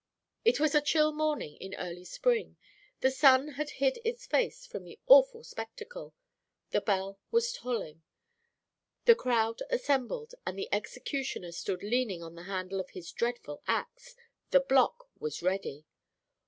It was a chill morning in early spring. The sun had hid his face from the awful spectacle. The bell was tolling, the crowd assembled, and the executioner stood leaning on the handle of his dreadful axe. The block was ready!